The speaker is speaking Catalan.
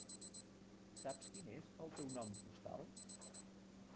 Saps quin és el teu nom postal?